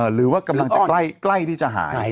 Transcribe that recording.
หรือว่ากำลังจะใกล้ที่จะหาย